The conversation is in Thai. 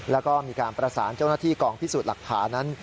แล้วก็มีการประสานเจ้าหน้าที่กองพิสูจน์หลักฐานนั้น